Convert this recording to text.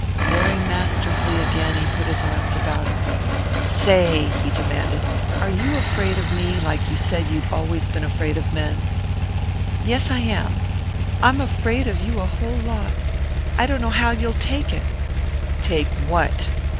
Very masterfully again he put his arms about her. "Say," he demanded, "are you afraid of me like you said you'd always been afraid of men?" "Yes, I am. I'm afraid of you a whole lot. I don't know how you'll take it." "Take what?"